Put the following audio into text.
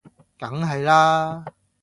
梗係啦